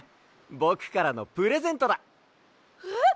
ぼくからのプレゼントだ。えっ！？